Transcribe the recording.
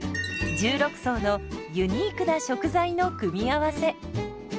１６層のユニークな食材の組み合わせ。